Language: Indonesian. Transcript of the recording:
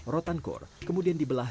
rotan kor kemudian dibelah